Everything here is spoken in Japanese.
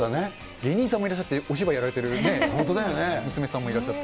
芸人さんもいらっしゃって、お芝居やられてるね、娘さんもいらっしゃって。